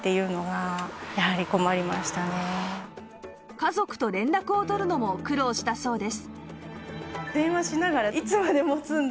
家族と連絡を取るのも苦労したそうです